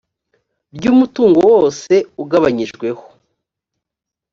ry umutungo wose ugabanyijweho